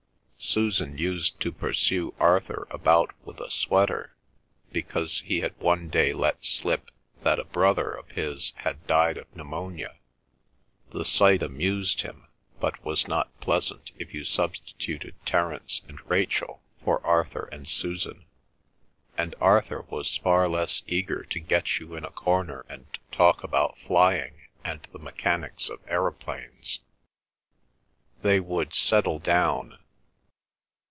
Susan used to pursue Arthur about with a sweater, because he had one day let slip that a brother of his had died of pneumonia. The sight amused him, but was not pleasant if you substituted Terence and Rachel for Arthur and Susan; and Arthur was far less eager to get you in a corner and talk about flying and the mechanics of aeroplanes. They would settle down.